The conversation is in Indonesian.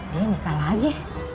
dia nikah lagi